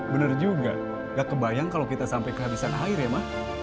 bener juga nggak kebayang kalau kita sampai kehabisan air ya mah